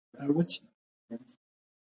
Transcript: له دې اوږده مزل نه وروسته مدینې ته ورسېدل.